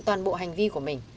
toàn bộ hành vi của mình